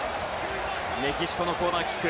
メキシコのコーナーキック。